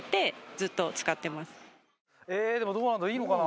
ええーでもどうなんだろう？いいのかな？